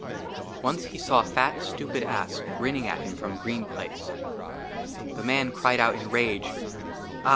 ONCE HE SAW A FAT, STUPID ASS GRINNING AT HIM FROM A GREEN PLACE. THE MAN CRIED OUT IN RAGE, " AH